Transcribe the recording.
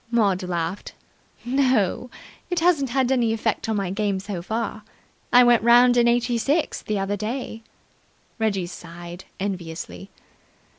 Maud laughed. "No. It hasn't had any effect on my game so far. I went round in eighty six the other day." Reggie sighed enviously.